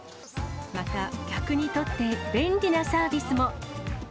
また、客にとって便利なサービスも。